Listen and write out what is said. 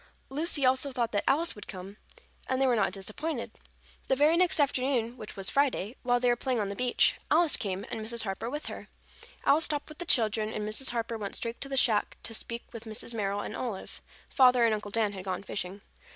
Lucy also thought that Alice would come, and they were not disappointed. The very next afternoon, which was Friday, while they were playing on the beach, Alice came, and Mrs. Harper with her. Alice stopped with the children and Mrs. Harper went straight to the shack to speak with Mrs. Merrill and Olive. Father and Uncle Dan had gone fishing.